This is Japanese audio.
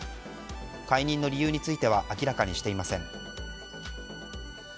解任の理由については明らかにしていません。